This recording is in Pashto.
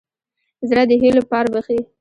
زړه د هيلو پار بښي.